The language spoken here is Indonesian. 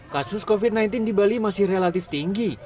kasus covid sembilan belas di bali masih relatif tinggi